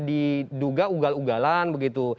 diduga ugal ugalan begitu